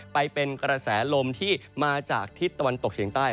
ไปเป็นกระแสลมที่มาจากทิศตะวันตกเฉียงใต้